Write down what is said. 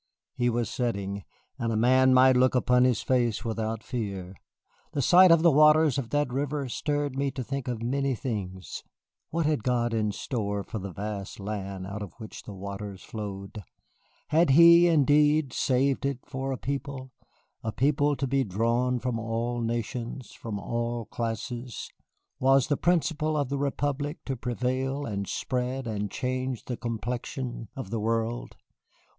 He was setting, and man might look upon his face without fear. The sight of the waters of that river stirred me to think of many things. What had God in store for the vast land out of which the waters flowed? Had He, indeed, saved it for a People, a People to be drawn from all nations, from all classes? Was the principle of the Republic to prevail and spread and change the complexion of the world?